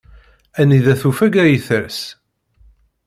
Anida tufeg ay ters.